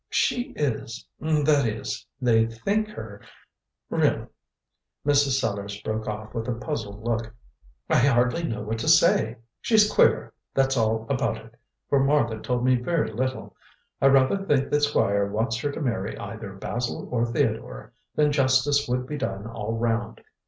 "She is that is, they think her, Really," Mrs. Sellars broke off with a puzzled look, "I hardly know what to say. She's queer, that's all about it, for Martha told me very little. I rather think the Squire wants her to marry either Basil or Theodore; then justice would be done all round.